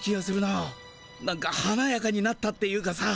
なんかはなやかになったっていうかさ。